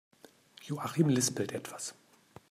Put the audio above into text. Joachim lispelt etwas.